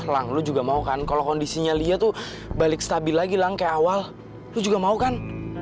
lang lo juga mau kan kalau kondisinya lia tuh balik stabil lagi lang kayak awal lu juga mau kan